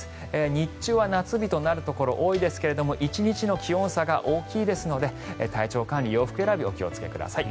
日中は夏日となるところが多いですが１日の気温差が大きいですので体調管理、洋服選びお気をつけください。